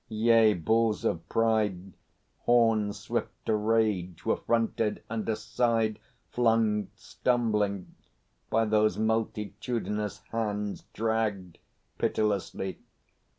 Yea, bulls of pride, Horns swift to rage, were fronted and aside Flung stumbling, by those multitudinous hands Dragged pitilessly.